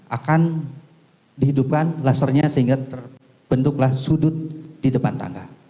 akan dihidupkan lasernya sehingga terbentuklah sudut di depan tangga